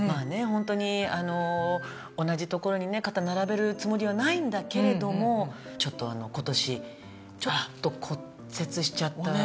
ホントに同じところにね肩並べるつもりはないんだけれどもちょっと今年ちょっと骨折しちゃったわけ。